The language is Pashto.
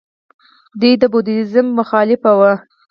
دوی د بودیزم مخالف وو